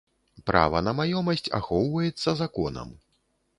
Права на маёмасць ахоўваецца законам.